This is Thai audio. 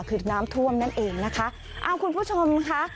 คือน้ำท่วมนั่นเองนะคะเอาคุณผู้ชมค่ะ